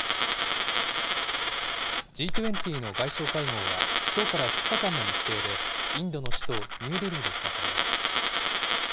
Ｇ２０の外相会合は、きょうから２日間の日程で、インドの首都ニューデリーで開かれます。